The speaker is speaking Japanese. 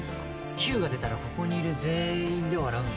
キューが出たらここにいる全員で笑うんだ。